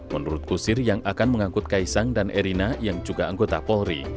menurut kusir yang akan mengangkut kaisang dan erina yang juga anggota polri